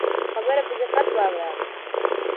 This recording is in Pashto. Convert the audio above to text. خبره په دقت واوره.